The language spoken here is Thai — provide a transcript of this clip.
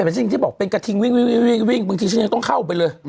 เป็นทิศที่บอกเป็นกระทิงวิ่งต้องเข้าไปเลย